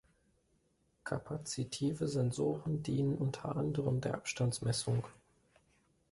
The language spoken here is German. Kapazitive Sensoren dienen unter anderem der Abstandsmessung.